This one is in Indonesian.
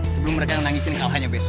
sebelum mereka nangisin kalahannya besok